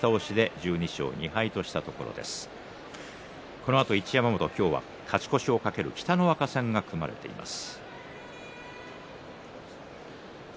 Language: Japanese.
このあと一山本は勝ち越しを懸ける北の若戦が組まれています。